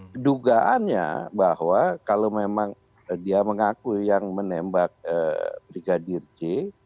kedugaannya bahwa kalau memang dia mengaku yang menembak brigadir c